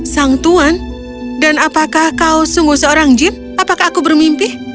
sang tuan dan apakah kau sungguh seorang gym apakah aku bermimpi